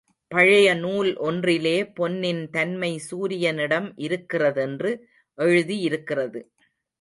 பழையநூல் ஒன்றிலே பொன்னின் தன்மை சூரியனிடம் இருக்கிறதென்று எழுதியிருக்கிறது.